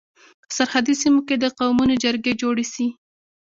په سرحدي سيمو کي د قومونو جرګي جوړي سي.